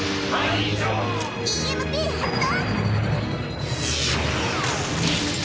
ＥＭＰ発動！